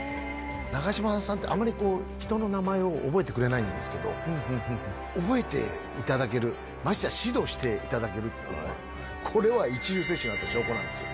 長嶋さんって、あんまり人の名前を覚えてくれないんですけど、覚えていただける、ましてや指導していただけるというのは、これは一流選手になった証拠なんですよ。